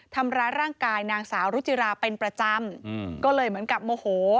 ทำร้ายร่างกายนางสาวรุจิราเป็นประจำก็เลยเหมือนกับโมโห